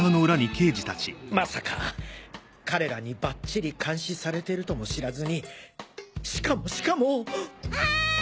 まさか彼らにばっちり監視されてるとも知らずにしかもしかもあ！